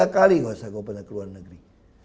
tiga kali gue pernah keluar negeri